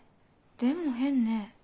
でも変ね。